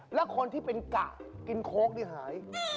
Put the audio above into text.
แล้วคนที่เป็นกะกินโค้กนี่หาย